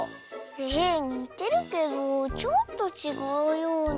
えにてるけどちょっとちがうような。